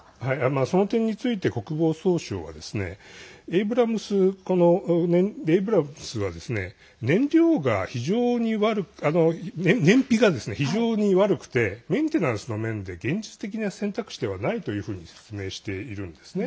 その点について国防総省はエイブラムスは燃費が非常に悪くてメンテナンスの面で現実的な選択肢ではないというふうに説明しているんですね。